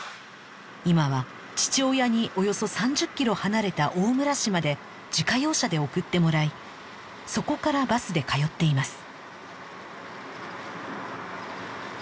今は父親におよそ３０キロ離れた大村市まで自家用車で送ってもらいそこからバスで通っています